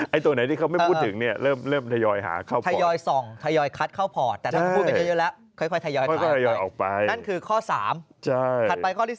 ไอ้ตัวไหนที่เขาไม่พูดถึงเริ่มทยอยหาเข้าพอร์ต